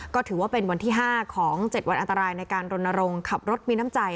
ก็ถือว่าเป็นวันที่๕ของ๗วันอันตรายในการรณรงค์ขับรถมีน้ำใจ